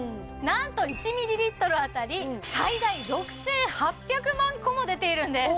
なんと１ミリリットル当たり最大６８００万個も出ているんです